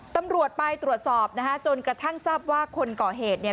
ตำรวจไปตรวจสอบนะคะจนกระทั่งทราบว่าคนก่อเหตุเนี่ย